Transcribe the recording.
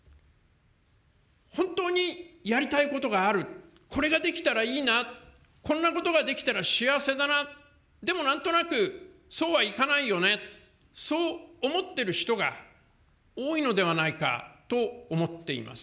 本当にやりたいことがある、これができたらいいな、こんなことができたら幸せだな、でもなんとなく、そうはいかないよね、そう思ってる人が多いのではないかと思っています。